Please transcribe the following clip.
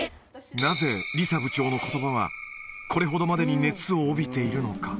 なぜ、りさ部長のことばはこれほどまでに熱を帯びているのか。